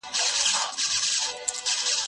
زه کولای سم کښېناستل وکړم؟!